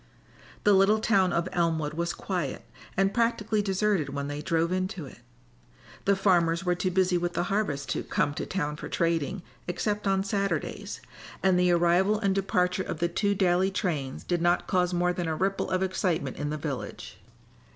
The little town of Elmwood was quiet and practically deserted when they drove into it. The farmers were too busy with the harvest to "come to town for trading" except on Saturdays, and the arrival and departure of the two daily trains did not cause more than a ripple of excitement in the village.